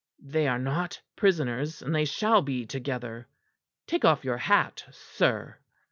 "They are not prisoners; and they shall be together. Take off your hat, sir."